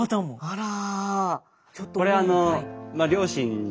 あら。